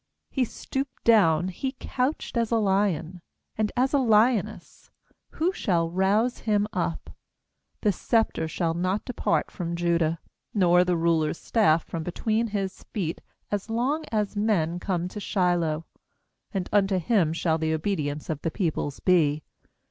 He stooped down, he couched as a lion, And as a lioness; who shall rouse him up? 10The sceptre shall not depart from Judah, Nor the ruler's staff from between his feet, As long as men come to Shiloh; And unto him shall the obedience of the peoples be.